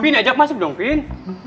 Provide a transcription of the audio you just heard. vin ajak masuk dong vin